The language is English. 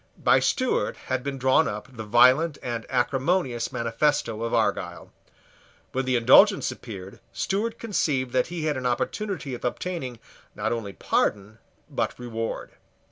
By Stewart had been drawn up the violent and acrimonious manifesto of Argyle. When the Indulgence appeared, Stewart conceived that he had an opportunity of obtaining, not only pardon, but reward.